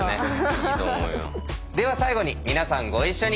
では最後に皆さんご一緒に。